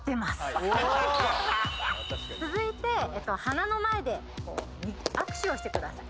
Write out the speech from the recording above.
はい続いてえっと鼻の前で握手をしてください